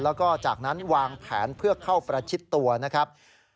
แล้วก็จากนั้นวางแผนเพื่อเข้าประชิดตัวนะครับ